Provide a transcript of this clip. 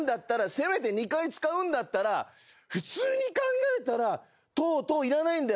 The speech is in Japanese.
せめて２回使うんだったら普通に考えたら「とう」「とう」いらないんだよ。